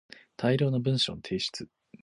大量の文章の提出